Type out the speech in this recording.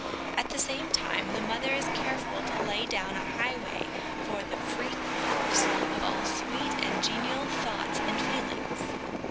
At the same time, the mother is careful to lay down a highway for the free course of all sweet and genial thoughts and feelings.